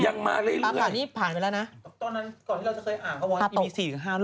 ป่าขานี้ผ่านไปแล้วนะ